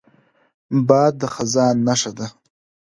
باد د خزان نښه ده